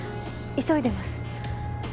急いでます